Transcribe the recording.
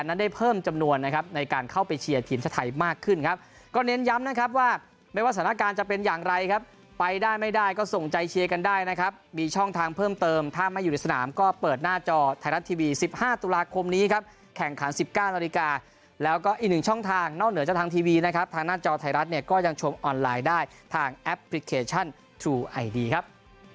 สิบห้าตุลาคมนี้ครับแข่งขันสิบเก้านาฬิกาแล้วก็อีกหนึ่งช่องทางนอกเหนือจะทางทีวีนะครับทางหน้าจอไทยรัฐเนี่ยก็ยังชวมออนไลน์ได้ทางแอปพลิเคชันทรูไอดีครับ